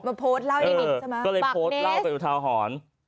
มาโพสต์เล่าอย่างนี้ใช่ไหมบักเนสก็เลยโพสต์เล่าไปอยู่ทางหอน